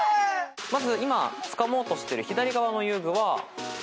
まず今つかもうとしてる左側の遊具は平野さんこれは？